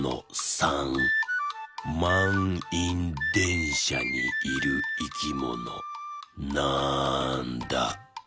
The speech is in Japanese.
まんいんでんしゃにいるいきものなんだ？